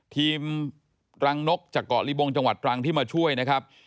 กำลังรังนกจากเกาะลิบงจังหวัดตรังที่มาช่วยนะครับ